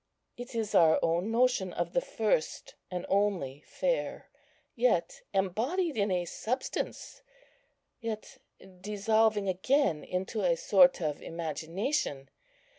It is our own notion of the First and only Fair, yet embodied in a substance, yet dissolving again into a sort of imagination....